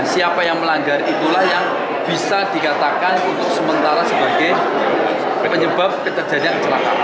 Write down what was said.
siapa yang melanggar itulah yang bisa dikatakan untuk sementara sebagai penyebab kejadian kecelakaan